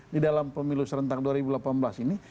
di dalam pemilu serentak dua ribu delapan belas ini